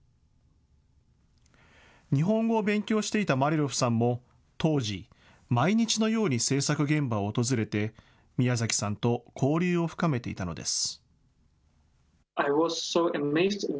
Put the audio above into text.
日本語を勉強していたマリャロフさんも当時、毎日のように制作現場を訪れて、ミヤザキさんと交流を深めていたのです。